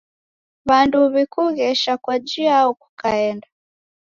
W'andu w'ikughesha kwa jiao kukaenda?